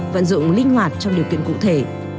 vẫn dụng linh hoạt trong điều kiện cụ thể